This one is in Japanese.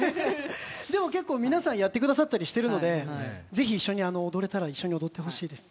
でも、結構皆さんやってくださっていたりするので、ぜひ一緒に、踊れたら踊ってほしいです。